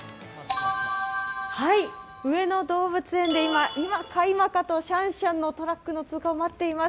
上野動物園で今か今かとシャンシャンのトラックを待っています。